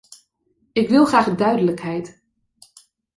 Ik wil graag duidelijkheid.